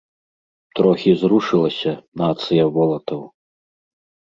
Трохі зрушылася, нацыя волатаў!